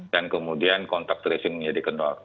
dan kemudian kontak tracing menjadi kendor